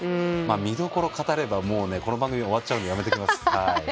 見どころ語ればこの番組終わっちゃうんでやめときます。